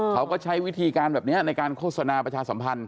เขาก็ใช้วิธีการแบบนี้ในการโฆษณาประชาสัมพันธ